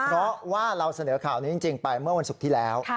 เพราะว่าเราเสนอข่าวนี้จริงไปเมื่อวันศุกร์ที่แล้ว